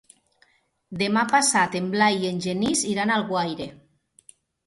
Demà passat en Blai i en Genís iran a Alguaire.